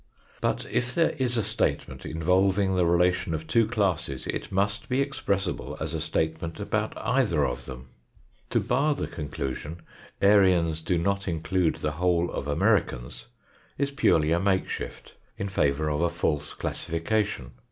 But, if there is a statement involving the relation of two classes, it must be expressible as a statement about either of them. To bar the conclusion, "Aryans do not include the whole of Americans," is purely a makeshift in favour of a false classification.